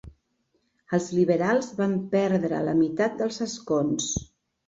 Els liberals van perdre la meitat dels escons.